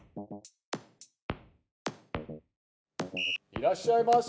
いらっしゃいませ！